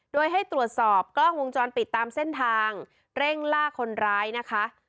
โดยให้ตรวจสอบกล้องวงจรปิดตามเส้นทางเร่งล่าคนร้ายนะคะ